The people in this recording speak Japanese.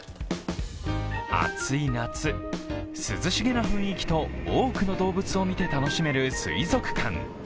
暑い夏、涼しげな雰囲気と多くの動物を見て楽しめる水族館。